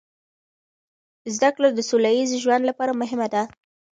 زده کړه د سوله ییز ژوند لپاره مهمه ده.